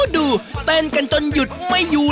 ดูเต้นกันจนหยุดไม่อยู่